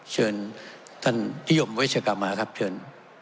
เชิญท่านนิยมเวชกรรมาครับเชิญ